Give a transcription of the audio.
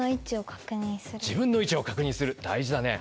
自分の位置を確認する大事だね。